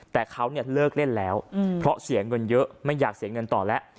แต่เขาเนี่ยเลิกเล่นแล้วเพราะเสียเงินเยอะไม่อยากเสียเงินต่อแล้ว